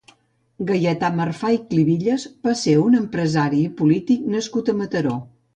Gaietà Marfà i Clivilles va ser un empresari i polític nascut a Mataró.